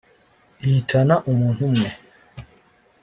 ihitana umuntu umwe